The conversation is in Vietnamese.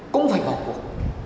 cũng phải vào cuộc